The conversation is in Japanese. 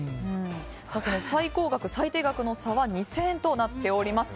最高額、最低額の差は２０００円となっております。